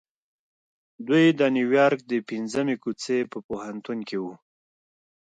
دوی د نيويارک د پنځمې کوڅې په پوهنتون کې وو.